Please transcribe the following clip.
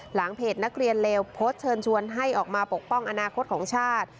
หลังเพจนักเรียนเลวโพสต์เชิญชวนให้ออกมาปกป้องอนาคตของชาติ